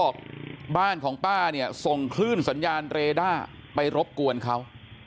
บ้านของป้าเนี่ยส่งคลื่นสัญญาณเรด้าไปรบกวนเขา